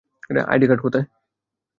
ID card কোথায়?